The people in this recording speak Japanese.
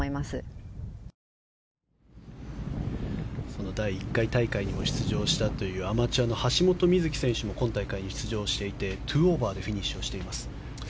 その第１回大会にも出場したというアマチュアの橋本美月選手も今大会に出場していて２オーバーでフィニッシュしています。